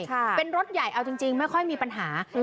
ใช่เป็นรถใหญ่เอาจริงไม่ค่อยมีปัญหา